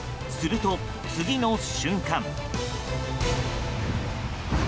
すると、次の瞬間。